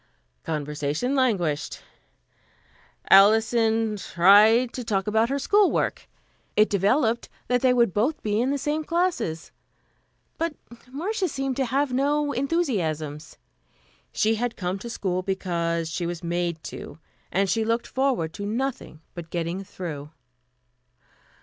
Conversation languished. Alison tried to talk about her school work. It developed that they would be in the same classes; but Marcia seemed to have no enthusiasms. She had come to school because she was made to, and she looked forward to nothing but getting through.